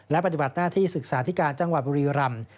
และปฏิบัติหน้าที่ศึกษาธิการจังหวัดบุรีรำ